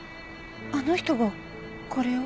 あの人がこれを？